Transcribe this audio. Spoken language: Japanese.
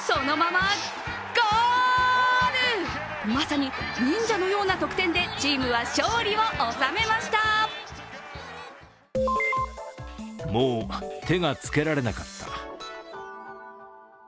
まさに忍者のような得点でチームは勝利を収めました。